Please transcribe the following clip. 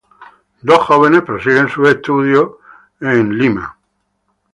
Dos jóvenes seminaristas prosiguen sus estudios en el seminario "Santo Toribio" de Lima.